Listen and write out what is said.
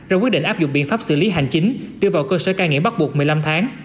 rồi quyết định áp dụng biện pháp xử lý hành chính đưa vào cơ sở ca nghiện bắt buộc một mươi năm tháng